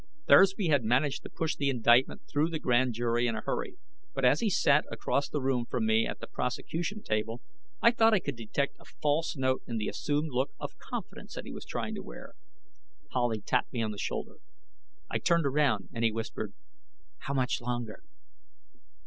Thursby had managed to push the indictment through the grand jury in a hurry, but, as he sat across the room from me at the prosecution table, I thought I could detect a false note in the assumed look of confidence that he was trying to wear. Howley tapped me on the shoulder. I turned around, and he whispered: "How much longer?"